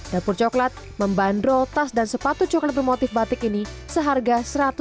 dapur coklat membandrol tas dan sepatu coklat bermotif batik ini seharga